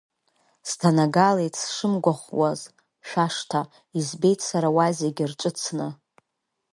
Сҭанагалеит сшымгәыӷуаз шәашҭа, избеит сара уа зегь рҿыцны…